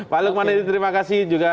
pak lukman edi terima kasih juga